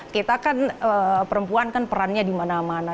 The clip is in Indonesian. kita kan perempuan kan perannya di mana mana